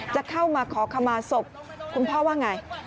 จะเข้ามาขอคำมาศพคุณพ่อว่าอย่างไร